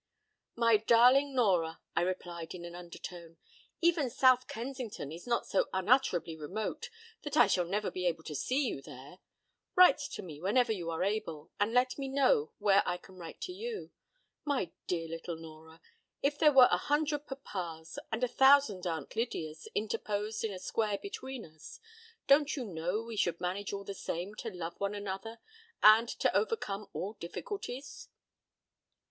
p> "My darling Nora," I replied in an undertone, "even South Kensington is not so unutterably remote that I shall never be able to see you there. Write to me whenever you are able, and let me know where I can write to you. My dear little Nora, if there were a hundred papas and a thousand Aunt Lydias interposed in a square between us, don't you know we should manage all the same to love one another and to overcome all difficulties?"